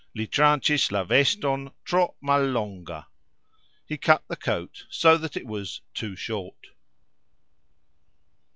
Li trancxis la veston tro mallonga. He cut the coat (so that it was) too short.